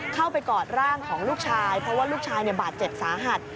กอดร่างของลูกชายเพราะว่าลูกชายบาดเจ็บสาหัส